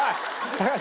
高橋。